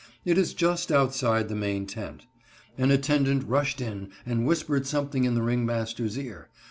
It is just outside the main tent. An attendant rushed in and whispered something in the ringmaster's ear.